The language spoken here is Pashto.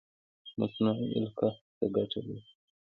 مصنوعي القاح څه ګټه لري؟